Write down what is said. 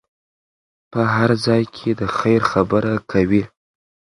په هر ځای کې د خیر خبره کوئ.